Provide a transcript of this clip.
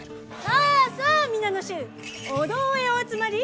さあさあ皆の衆お堂へお集まり！